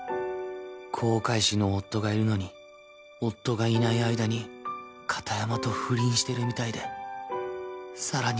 航海士の夫がいるのに夫がいない間に片山と不倫してるみたいでさらに